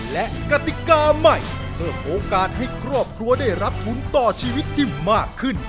และกติกาใหม่เพิ่มโอกาสให้ครอบครัวได้รับทุนต่อชีวิตที่มากขึ้น